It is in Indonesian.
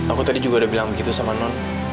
aku tadi juga udah bilang begitu sama non